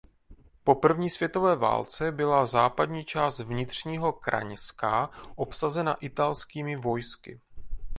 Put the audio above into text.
Po první světové válce byla západní část Vnitřního Kraňska obsazena italskými vojsky.